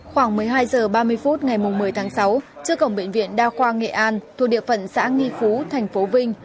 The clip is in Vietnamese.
khoảng một mươi hai h ba mươi phút ngày một mươi tháng sáu trước cổng bệnh viện đa khoa nghệ an thuộc địa phận xã nghi phú thành phố vinh